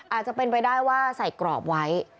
อาจจะเป็นไปได้ว่าใส่กรอบไว้